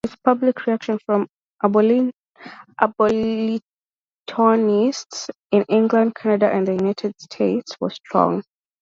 Public reaction from abolitionists, in England, Canada and the United States was strong.